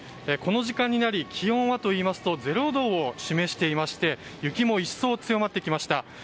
この時間になり気温はといいますと０度を示していまして雪も一層強まってきました。